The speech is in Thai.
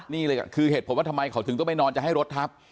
นี่เลยคือเหตุผลว่าทำไมเขาถึงต้องไปนอนจะให้รถทับ